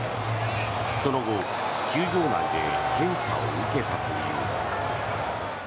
その後球場内で検査を受けたという。